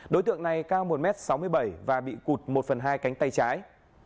đối tượng này cao một m sáu mươi bảy và bị cụt một phần hai cánh tay trái